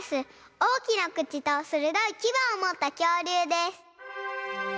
おおきなくちとするどいきばをもったきょうりゅうです。